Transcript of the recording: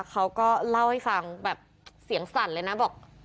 เขาก็เล่าให้ฟังแบบเสียงสั่นเลยนะบอก